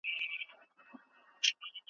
د خلکو احساسات واورېدل شول.